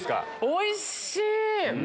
おいしい！